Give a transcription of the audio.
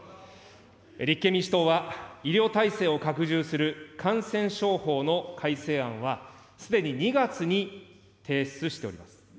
立憲民主党は医療体制を拡充する感染症法の改正案は、すでに２月に提出しております。